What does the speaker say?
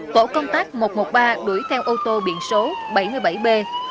tổ công tác một trăm một mươi ba đuổi theo ô tô biện số bảy mươi bảy b hai trăm linh bảy